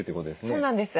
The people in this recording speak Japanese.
そうなんです。